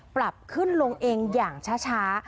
ปรับขึ้นลงเองอย่างช้า